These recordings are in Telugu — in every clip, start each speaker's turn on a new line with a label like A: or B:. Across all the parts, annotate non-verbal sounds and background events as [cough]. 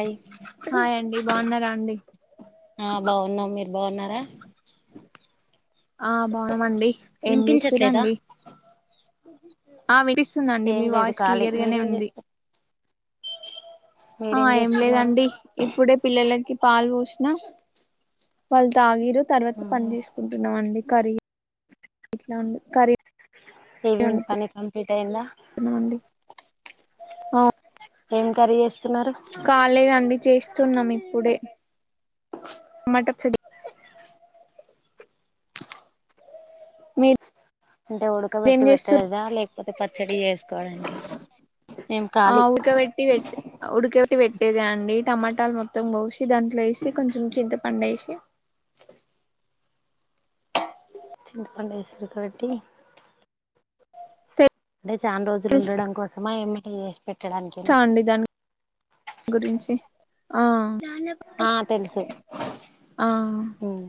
A: హాయ్
B: హాయ్ అండి బాగున్నారా అండి
A: ఆ బాగు నమ్మి బాగున్నారా
B: ఆ బాగుమండి ఏం
A: వినిపించట్లేదా
B: చేస్తారుండి ఆ వి ఇపిస్తుందండి
A: ఏం
B: మీ
A: లేదు
B: వాయిస్
A: ఖాళీ
B: క్లియర్ గానే
A: మీరేం
B: ఉంది
A: చేస్తు
B: ఆ
A: మీరేం
B: ఏం
A: చేస్తున్నారు
B: లేదండి ఇప్పుడే పిల్లలకి పాల్ భోషణ వల్త ఆగిరు తర్వాత పని తీసుకుంటున్నాం అండి క ఉ క
A: ఈవినింగ్ పనే కంప్లీట్ అయిందా
B: అనండి ఆ
A: ఏం కర్రీ చేస్తున్నారు
B: కాలేదండి చేస్తున్నాం ఇప్పుడే మటర్ చెడి మీరు
A: అంటే ఉడకబెట్టి పెట్టడుదా లేకపోతే పచ్చడి చేసుకోవడానికి ఏం
B: ఆ
A: కాలి
B: ఉడకబెట్టి పెట్టి ఉడకబెట్టి పెట్టేదే అండి టమాటాలు మొత్తం పోసి దాంట్లో వేసి కొంచెం చింతపడు వేసి
A: చింతపండేశ్వరు కాబట్టి అంటే చాలా రోజులు
B: తెలుసా
A: ఉండడం కోసం మా ఏం చే పెట్టడానికేనా
B: అండి దాని గురించి ఆ
A: ఆ తెలుసు
B: ఆ
A: మ్మ్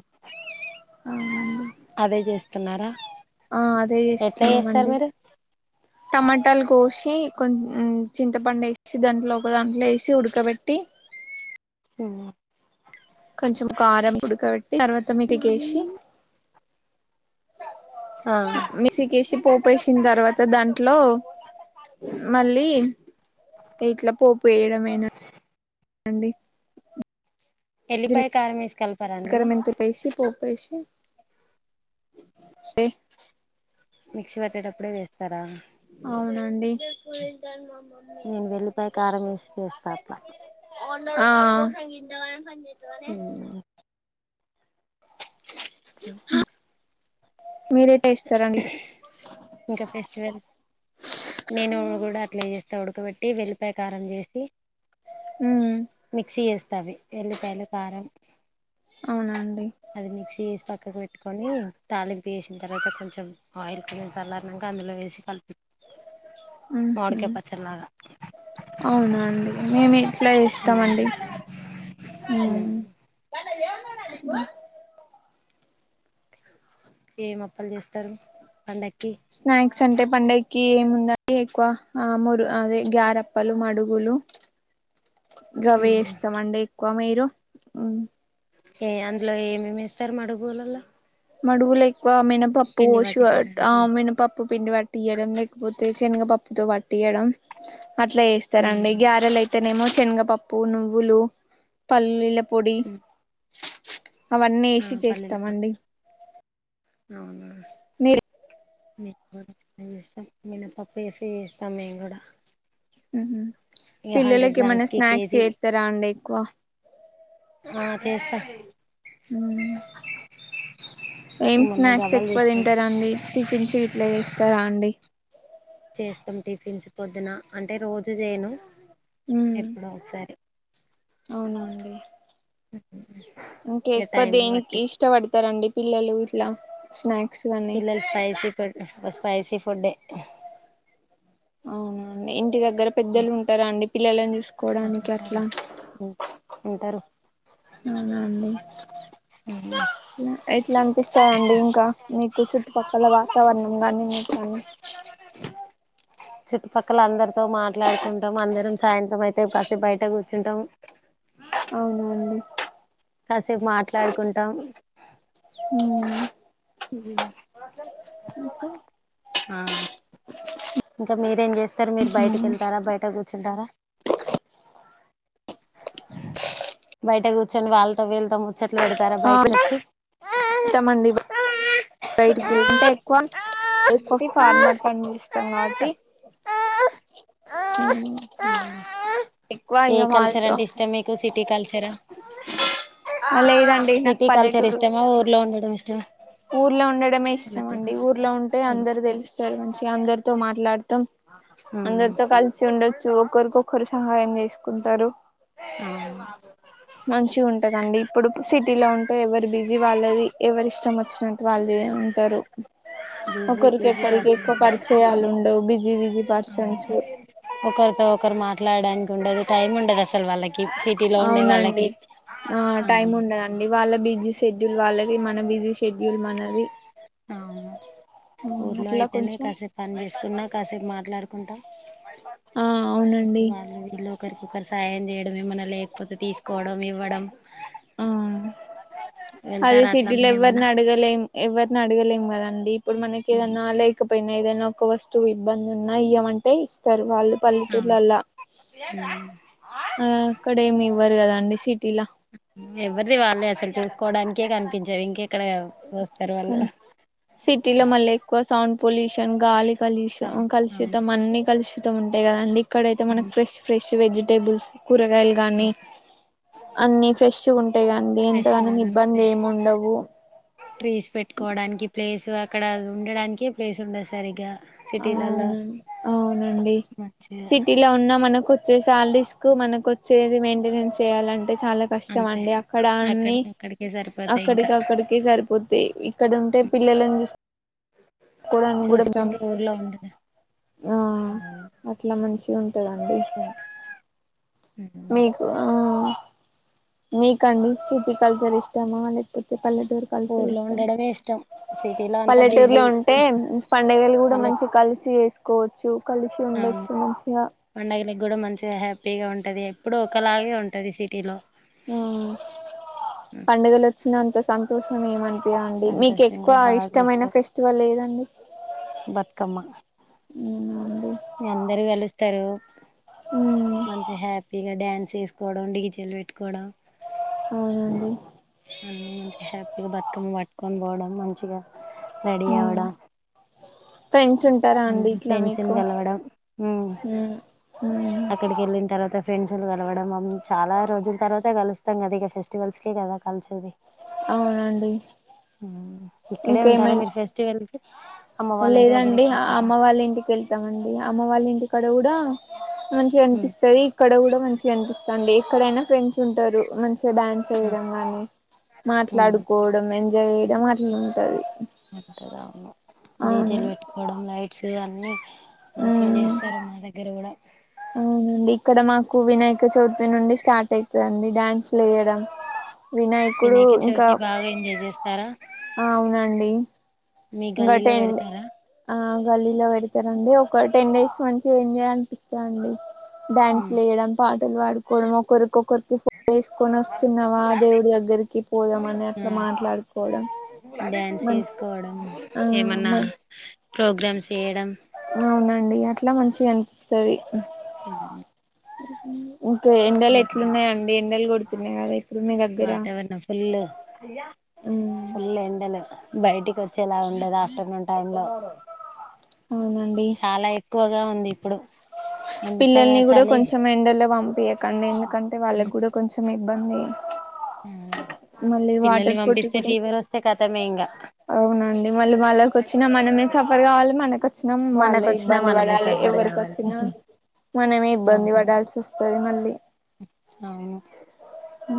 B: అవునండి
A: అదే చేస్తున్నారా.
B: ఆ అదే
A: ఎట్లా చేస్తారు
B: చేస్తామండి
A: మీరు
B: టమాటాలు కోసి కొంచ చింతపండు వేసి దాంట్లో ఒక దాంట్లో వేసి ఉడకబెట్టి
A: మ్
B: కొంచెం కారం పడుకబట్టి తర్వాత మీటకేసి
A: ఆ
B: మిసికిసిపో ప్పు వేసిన తర్వాత దాంట్లో మళ్ళీ ఇట్లా పోపు వేయడం ఏనా అండి
A: ఎల్లిపాయ కారం వేసి కలపరా అందులో
B: కరమంత పేసి పోపేసి [unintelligible]
A: మిక్సీ పట్టేటప్పుడే వేస్తారా
B: అవునండి
A: నేను వెళ్లిపై కారంమేసి చేస్తా అట్లా
B: ఆ
A: మ్
B: మీరేటా ఎస్తారండి
A: ఇంకా ఫెస్టివల్ నేను కూడా అట్లా చేస్తా ఉడకబెట్టి వెల్లిపకారం చేసి
B: ఉమ్
A: మిక్సీ చేస్తావి ఎల్లిపాయలు కారం
B: అవునా అండి
A: అది మిసీ వసి పక కట్టుకొని తాళిం ప వేసిన తర్వాత కొంచెం ఆయిల్ సలని అందులో వేసి కలిపిన్చ
B: అ
A: పచ్చడిలాగా
B: అవునండి మేము ఇట్లా ఇస్తామండి పిచ్చ నీకు
A: ఏం అప్పలు చేస్తారు పండకి
B: కంటే పండగకి ఏముంద ఎక్కువ మురు అదే గారప్పలు మడుగులు గవ ఇస్తామ అండి ఎక్కువ మీరు అ
A: ఏ అందులో ఏమేమి ఇస్తారు మడుగులలో
B: మడుగులై కో మన పప్పు
A: పిండి
B: పోషు ఆ
A: పట్టించడానికి
B: మను పప్పు పిండి తీయడం లేకపోతే శనగ పప్పుతో పట్టియడం అట్లా చేస్తారండి గ్యారెలు అయితే అనేమో శనగపప్పు నువ్వులు పల్లీల పొడి అవన్నీ వేసి
A: పల్లీల పొడి
B: చేస్తామండి
A: అవునా
B: మీరు
A: మీకు చేస్తాం మన్న పప్పు వేసి చేస్తాం మేము కూడా
B: ఉహుమ్
A: ఇక హండ్రెడ్
B: పిల్లలకి ఏమన్నా
A: గ్రామ్స్కి
B: స్నాక్స్
A: కేజీ
B: చేస్తారా అండి ఎక్కువా
A: ఆ చేస్తా
B: ఉమ్ ఏం
A: మొన్న
B: స్నాక్స్
A: గవ్వలు
B: ఎక్కువ
A: చేసినాం
B: తింటారుండి టిఫిన్స్ ఇట్లా చేస్త స్తరా అండి
A: చేస్తాం టిఫిన్స్ పొద్దున అంటే రోజు చేయను ఎప్పుడూ ఒకసారి
B: అవునా అండీ ఇంక
A: ఇక
B: ఎక్కువ
A: టైంని
B: దేనికి
A: బట్టి
B: ఇష్టపడతారండి పిలలు ఉట్లా స్నాక్
A: పిల్లలు స్పాపైస వ స్పైసి ఫుడ్
B: అవునా అండి ఇంటి దగ్గర పెద్దలు ఉంటారా అండి పిలలాని చుస్
A: ఆ ఉంటారు ఉమ్ ఉంటారు
B: అవునా అండి ఎట్లా అనిపిస్తందండి ఇంకా మీకు చుట్టుపక్కల వాతావరణం గాని మీకు కాని
A: మక్కల అందరితో మాట్లాడుకుంటాం అందరం సాయంత్రం అయితే చింటాము
B: అవునండి
A: కాసేపు మాట్లాడుకుంటాం
B: మ్మ్.
A: ఉమ్
B: ఇంకా
A: ఆ.. ఇంకా మీరేం చేస్తారు మీరు బయటకి
B: మ్మ్.
A: వెళ్తారా బయట కూర్చుంటారా బయటకు చ్చ వాళ్లతో వీళ్ళతో చెట్లు పెడతారా బయటకి వచ్చి
B: తమండి బ బయటికి వెళ్తుంటే ఎక్కువ ఎక్కువ ఫార్మర్ పండి తంగాబాటి ఉమ్.
A: ఏ కల్చర్ అంటే ఇష్టం మీకు సిటీ కల్చరా
B: లేదండి నాకు
A: సిటీ కల్చర్
B: పల్లెటూరు
A: ఇష్టమా ఊర్లో ఉండడం ఇష్టమా
B: ఊర్లో ఉండడమే ఇష్టం
A: పల్లెటూరు
B: అండి ఊర్లో ఉంటే అందరు తెలుస్తారు మంచిగా అందరితో మాట్లాడతాం అందరితో కలిసి ఉండ చ్చు ఒకరికొకరు సహాయం చేసుకుంటారు మంచిగా ఉంటదండి ఇప్పుడు సిటీలో ఉంటే ఎవరి బిజీ వాళ్ళది ఎవరి ఇష్టం ష్టం వచ్చినట్టు వాళ్ళే ఉంటరు
A: బిజీ
B: ఒకరికి
A: బిజీ
B: కొకరికి ఎక్కువ
A: పర్సన్స్
B: పరిచయాలు ఉండవు బిజీ బిజీ పర్సన్స్
A: ఒకరితో ఒకరు మాట్లాడడానికి ఉండదు టైమ్ ఉండదు అసలు వాళ్ళకి సిటీలో ఉండే
B: అవునండి
A: వాళ్ళకి
B: ఆ టైమ్
A: అవును
B: ఉండదండి వాళ్ళ బిజీ షెడ్యూల్ వాళ్ళకి మన బిజీ షెడ్
A: అవును
B: ఆ
A: ఊర్లో
B: అట్లా
A: అయితేనే
B: కొంచెం
A: కాసేపు పని చేసుకున్నా కాసేపు మాట్లా మాట్లాడుకుంటా
B: ఆ
A: స్తు
B: అవునండి
A: వాళ్ళు వీళ్ళు ఒకరికొకరు సాయం చేయడం ఏమన్నా లేకపోతే తీసుకోవడం ఇవ్వడం
B: ఆ అదే
A: వెళ్తారా అట్లా
B: సిటీలో ఎవ్వరి
A: మీరేమన్నా
B: న అడగలేం ఎవరిని అడగలేం కదండి ఇప్పుడు మనకి
A: ఉమ్,
B: ఏదన్న లేకపోతే పోయినా ఏదైనా ఒక వస్తువు ఇబ్బంది ఉన్నా ఇయ్యమంటే ఇస్తారు వాళ్ళు
A: అవును
B: పల్లెటూరులో అలా ఆ అక్కడ ఏమి ఇవ్వరు కదా అండి సిటీలా
A: ఉమ్. ఎవరిది వాళ్ళే అసలు చూసుకోవడానికే కనిపించవి ఇంక ఎక్కడ వ
B: సిటీలో మళ్ళీ ఎక్కువ సౌండ్ పొల్యూషన్ గాలి కలుష
A: అవును అవును
B: కలుషితం అన్ని కలుషితం ఉంటాయి కదండి ఇక్కడైతే మనకి
A: ఉమ్,
B: ఫ్రెష్ ఫ్రెష్ వెజిటేబుల్స్ కూరగాయలు గానీ,
A: అవును
B: అన్ని ఫ్రెష్ ఉంటాయి కదండి, ఎంతగానో
A: ఫ్రెష్గా
B: ఇబ్బంది
A: దొరుకుతాయి
B: ఏమి ఉండవు.
A: కోవడానికి ప్లేస్ అక్కడ ఉండడానికే ప్లేస్ ఉండదు సరిగ్గా
B: ఆ అవునండి అవునండి
A: మంచిగా
B: సిటీలో ఉన్నా మనకు వచ్చే సాలరీస్ కు మనకు వచ్చేది మెయింటెనెన్స్ చేయాలంటే చాలా కష్టం
A: అంతే
B: అండి అక్కడ అన్ని
A: అక్కడికి అక్కడికే సరిపోతాయి ఇంకా
B: అక్కడికి అక్కడికి సరిపోతాయి ఇక్కడ ఉంటే పిల్లలని చూస్ కోడానికి కూడా
A: చూసుకుంటూ ఊర్లో ఉండడం
B: ఆ అట్లా మంచిగా ఉంటదండి మీకు ఆ మీకండి సిటీ కల్చర్ ఇష్ట మాలపోతే పల్లెటూరు కలిసి
A: ఊర్లో
B: ఇష్టం
A: ఉండడమే ఇష్టం సిటీలో అంతా
B: పల్లెటూరులో
A: బిజీ
B: ఉంటే పంండగలు కూడా మంచి
A: పల్లెటూరు
B: కలిసి వేసు కోచు కలిసి
A: అవును
B: ఉండొచ్చు మంచిగా
A: పండగలకి కూడా మంచిగా హ్యాపీగా ఉంటది ఎప్పుడు ఒకలాగే ఉంటది సిటీలో
B: మ్ పండుగలు వచ్చినంత సంతోషం ఏమం అండి మీకు
A: సంతోషంగా
B: ఎక్కువ ఇష్టమైన ఫెస్టివల్ ఎదండి
A: బత్కమ
B: అవునా అండి
A: అందరు కలుస్తారు
B: ఉమ్
A: మంచి హ్యాపీగా డ్యాన్స్ చేసుకోవడం డిగిచల్లి పెట్టుకోవడం
B: అవనండి
A: అన్ని మంచి హ్యాపీగా బతుకమ్మ పట్టుకొని పోవడం మంచిగా రెడీ
B: ఉమ్
A: అవడం
B: ఫ్రెండ్స్ ఉంటారా అండి
A: అందు
B: ఇట్లా
A: ఫ్రెండ్స్ని
B: మీకు
A: కలవడం మ్
B: ఉమ్ ఉమ్
A: అక్కడికి వెళ్ళిన తర్వాత ఫ్రెండ్స్లు కలవడం చాలా రోజుల తర్వాత కలుస్తాం కదా ఇక ఫెస్టివల్స్ కే కదా కల్చది
B: అవునండి
A: ఇక్కడే ఉంటారా మీరు ఫెస్టివల్ కి అమ్మ
B: అ
A: వాళ్ళ ఇంటి దగ్గర
B: లేదండి
A: ఎక్కువ
B: అ
A: ఉంటారా
B: అమ్మ వాళ్ళ ఇంటికి వెళ్తామండి అమ్మ వాళ్ళ ఇంటిక్ క్కడవుడా మంచిగా కనిపిస్తుంది ఇక్కడ కూడా మంచిగా అనిపిస్తంది. ఎ క్కడైనా ఫ్రెండ్స్ ఉంటారు మంచ్ తో డాన్స్ వేయడం కానీ మాట్లాడుకోవడం ఎంజాయ్ చేయడం అట్ ఇట్లుంటది
A: డీజెల్ పెట్టుకోవడం లైట్స్ అమ్ న్ని మంచిగా
B: ఉమ్
A: చేస్తారు మా దగ్ గరోడవ్
B: ఊ డిక్కడ మాకు వినాయక చవితి నుండి స్టార్ట్ అవుతుందండి డ్యాన్స్లు వేయడం వినాయకుడు
A: వినాయక
B: ఇంకా
A: చవితి బాగా ఎంజాయ్ చేస్తారా
B: అవునండి
A: మీ గల్లీలో
B: గటెండె
A: పెడతారా
B: ఆ గల్లీలో వెడిత్ తరండి ఒక టెన్ డేస్ మంచిగ ఎంజాల్ అనిపిస్తాంది డ్యాన్స్ లు వేయడం పాటలు పాడుకోవడం ఒకరికొకరికి ఫో వేసుకొని వస్తున్నావా దేవుడి దగ్గరికి పోదాం అని అట్లా మాట్లాడుకోవడం
A: డ్యాన్స్
B: మం
A: వేసుకోవడం
B: ఆ
A: ఏమన్నా
B: మం
A: ప్రోగ్రామ్స్ చేయడం
B: అవునండి అట్ల ఇట్లా మంచిగా అనిపిస్తది
A: ఊ
B: అరె [unintelligible] ఇంకా ఎండలు ఎట్లున్నాయండి ఎండలు కొడుతున్నాయి కదా ఇప్పుడు మీ దగ్గర
A: వాతావరణం ఫుల్
B: ఉమ్
A: ఫుల్ ఎండలు బయటి కొస్ చ్చేలా ఉండదు ఆఫ్టర్నూన్ టైం లో కొ
B: అవునండి
A: చాలా ఎక్కువగా ఉంది ఇప్పుడు ఎంతగా
B: పిల్లల్ని కూడా
A: చలి
B: కొంచెం ఎండల్లో వంపీయకండి ఎందుకంటే వాళ్ళకి కూడా కొంచెం ఇబ్బంది మళ్ళీ
A: పిల్లల్ని
B: వాటర్ ఫుడ్
A: పంపిస్తే
B: కూడా
A: ఫీవర్ వస్తే కథమే ఇంగ
B: అవునండి మళ్ళీ వాళ్ళకొచ్చిన మనమే సఫర్ కావాలి మనకు చ్చినా
A: మనకు
B: వాళ్ళే
A: వచ్చినా
B: ఇబ్బంది
A: మనమే
B: పడాలి
A: సఫర్
B: ఎవరికి
A: కావాలి
B: వచ్చినా మనమే ఇబ్బంది
A: అవును
B: పడాల్సి వస్తది మళ్ళీ
A: అవును
B: ఆ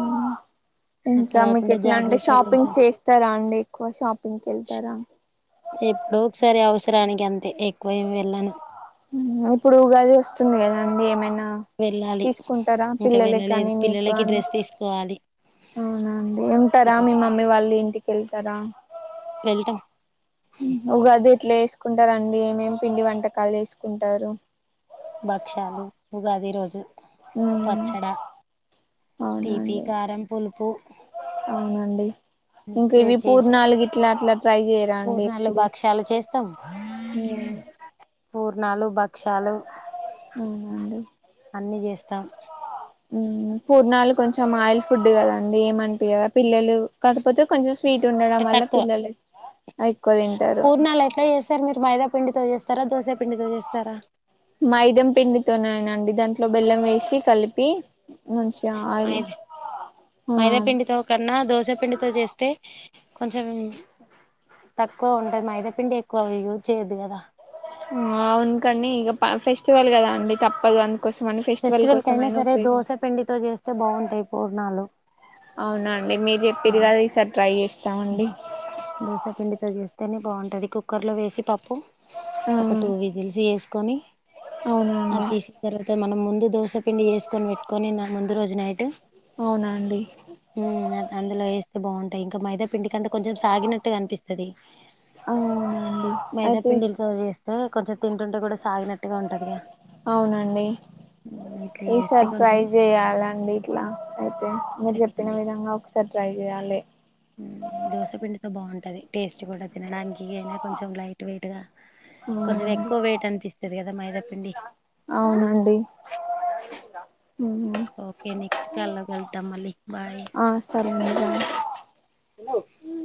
A: అట్లా
B: ఇంకా మీకు
A: కాకుండా
B: ఎట్లా అండి
A: జాగ్రత్త కొంచెం
B: షాపింగ్ చేస్తారా అండి ఎక్కువ షాపింగ్ కెళ్తారా
A: రానికి అంతే ఎక్కువ ఏమి వెళ్ళను
B: ఊ ఇప్పుడు ఉగాది వస్తుంది కదండి ఏమైనా అ
A: వెళ్ళాలి
B: తీసుకుంటరా
A: ఇంకా
B: పిల్లలకి
A: వెళ్ళలేదు
B: కాని మీకు
A: పిల్లలకి
B: కాని
A: డ్రెస్ తీసుకోవాలి
B: అవున అండి ఉంటారా మీ మమ్మీ వాళ్ళీ ఇంటికి వెళ్తరా
A: వెల్తమ్
B: ఉగాదే ఎట్ల చేసుకుంటారండి ఏమేం పిండి వంటకాలు చేసుకుంటారు
A: భక్ష్యాలు ఉగాది రోజు పచ్చడ తీపి
B: అవునండి
A: కారం పులుపు
B: అండి ఇంకా ఇవి పూర్ణాలు గిట్లా అట్లా ట్రై చేయరా అండి
A: పూర్ణలు
B: ఎప్పుడు
A: భక్ష్యాలు చేస్తాం
B: ఉమ్
A: పూర్ణాలు భక్ క్షాలు
B: అవునండి
A: అన్నీ చేస్తాం
B: పూర్ణాలు కొంచెం ఆయిల్ ఫుడ్ కదాండి ఏమంట కదా పిల్లలు కాకపోతే కొంచెం స్వీట్ ఉండడం
A: అంటే
B: వల్ల
A: తక్కువ
B: పిల్లలు ఎక్కువ తింటారు
A: పూర్ణాల అయితే చేస్తారు మీరు మైదా పండితో చేస్తారా దోసాపిండితో చేస్తారా చడ
B: మైదం పిండితోనేనండి దాంట్లో బెల్లం వేసి కలిపి మంచిగా
A: మా
B: ఆయిల్ ఆ
A: మాద పిడితో కన్నా దో మపిండితో చేస్తే కొంచెం తక్కువ ఉంటది మైదాపిండి ఎక్కువ యూజ్ చేయద్ కదా
B: ఆవునుకండి ఇక ఫెస్టివల్ కదా అండి తప్పదు అంత
A: ఫెస్టివల్ కయినా సరే దోశ పిండితో చేస్తే బాగుంటాయి పూర్ణాలు
B: పెరిగాదది సటు ప్రైస్
A: దోసపిండితో జస్త ని బాగుంటుంది కుక్కర్లో వేసి పప్పు ఒక
B: ఆ
A: టూ విజిల్స్ వేసుకొని అది
B: అవునండి
A: తీసిన తర్వాత మనం ముందు దోసపిండి వేసుకొని పెట్టుకొని ముందు రోజు నైట్
B: అవునండి
A: అ అందులో వేస్త బాగుంటాయి ఇంకాైద పిండి కంటే కొంచెం సాగినట్టు కనిపిస్తుది
B: అవునండి అయితే
A: పిండిలతో జేస్తే కొంచెం తింటుంటే గూడా సాగినట్టుగా ఉంటదిగా.
B: అవునండి
A: హ్మ్. ఇట్లా
B: ఈ
A: జేస్తే కొంచెం
B: సర్ప్రైజ్ చేయాలండి ఇట్లా అయితే మీరు చెప్పిన
A: చేయండి.
B: విధంగా ఒకసర్ప్రైజ్ చేయాలి
A: దోసపిండితో బాగుంటది టేస్ట్ కూడా తినడానికి అయినా కొంచెం లైట్ వెయిట్ గా కొంచెం
B: అవునండి
A: ఎక్కువ వెయిట్ అనిపిస్తుది కదా మాైదప్పిండి
B: అవునండి ఉహు
A: ఓకే నెక్స్ట్ కా లోగాల్తా మలిక్ బాయ్
B: హలో